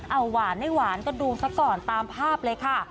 เอาหวานไม่หวานก็ดูซะก่อนตามภาพเลยค่ะ